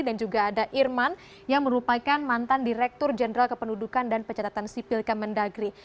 dan juga ada irman yang merupakan mantan direktur jenderal kependudukan dan pencatatan sipil kemendagri